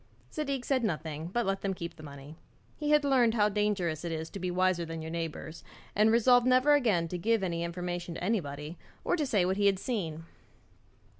Zadig said nothing, but let them keep the money. He had learned how dangerous it is to be wiser than your neighbours, and resolved never again to give any information to anybody, or to say what he had seen.